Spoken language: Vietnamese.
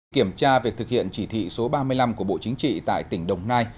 kiểm tra việc thực hiện chỉ thị số ba mươi năm của bộ chính trị tại tỉnh đồng nai